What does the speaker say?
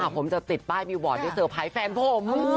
ผมจะติดป้ายมิวบอร์ดด้วยเซอร์ไพรส์แฟนผม